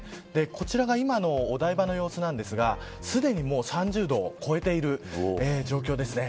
こちらが今のお台場の様子ですがすでに３０度を超えている状況です。